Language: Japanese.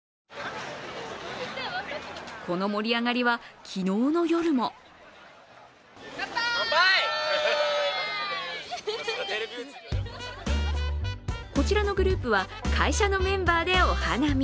この盛り上がりは昨日の夜もこちらのグループは会社のメンバーでお花見。